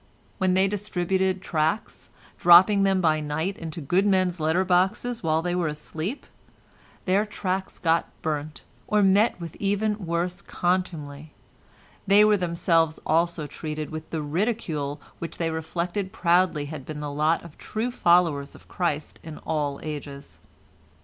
When they distributed tracts, dropping them by night into good men's letter boxes while they were asleep, their tracts got burnt, or met with even worse contumely; they were themselves also treated with the ridicule which they reflected proudly had been the lot of true followers of Christ in all ages.